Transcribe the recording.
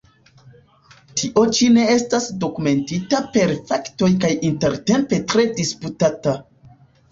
Tio ĉi ne estas dokumentita per faktoj kaj intertempe tre disputata.